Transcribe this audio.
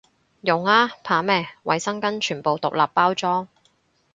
用啊，怕咩，衛生巾全部獨立包裝